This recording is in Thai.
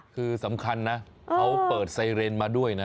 คือสำคัญนะเขาเปิดไซเรนมาด้วยนะ